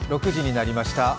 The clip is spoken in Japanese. ６時になりました。